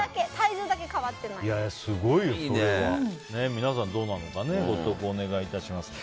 皆さんどうなのかご投稿お願いします。